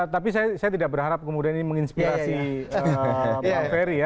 tapi saya tidak berharap kemudian ini menginspirasi bang ferry ya